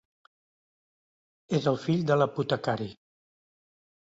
És el fill de l'apotecari.